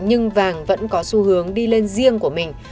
nhưng vàng vẫn có xu hướng đi lên riêng của mình